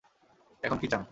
এখন কী চান?